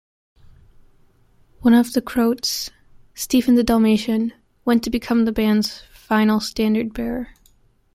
One of the Croats, Stephen the Dalmatian, went to become the band's final standard-bearer.